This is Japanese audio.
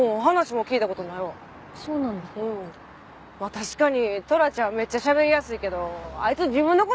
確かにトラちゃんめっちゃしゃべりやすいけどあいつ自分の事